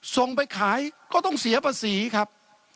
ส่งไปขายก็ต้องเสียภาษีครับ